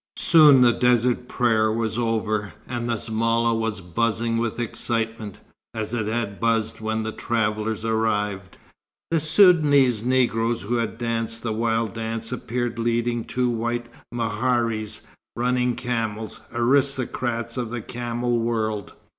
Soon the desert prayer was over, and the zmala was buzzing with excitement, as it had buzzed when the travellers arrived. The Soudanese Negroes who had danced the wild dance appeared leading two white meharis, running camels, aristocrats of the camel world.